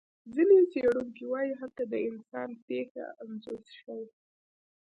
ځینې څېړونکي وایي هلته د انسان پېښه انځور شوې.